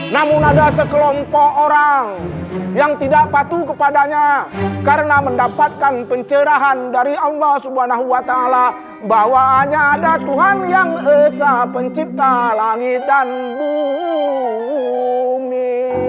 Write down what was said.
namun ada sekelompok orang yang tidak patuh kepadanya karena mendapatkan pencerahan dari allah swt bahwa hanya ada tuhan yang hesa pencipta langit dan buhumi